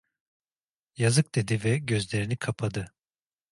Yazık dedi ve gözlerini kapadı.